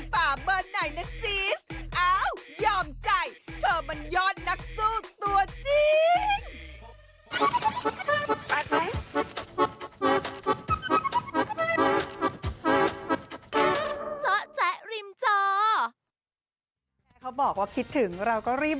ว่ามีแฟนขึ้นมาจะใจฝ่าเบอร์ไหนนะซิ